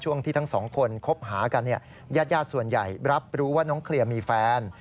ที่ทั้งสองคนคบหากันเนี่ยญาติส่วนใหญ่รับรู้ว่าน้องเคลียร์มีแฟน